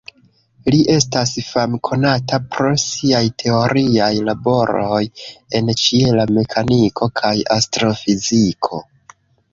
Li estas famkonata pro siaj teoriaj laboroj en ĉiela mekaniko kaj astrofiziko.